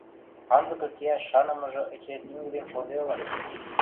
анзыкы кеӓш шанымыжы эче пингӹдем шоде ылын.